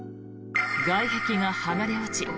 外壁が剥がれ落ち